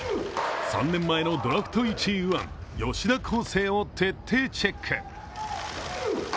３年前のドラフト１位右腕吉田輝星を徹底チェック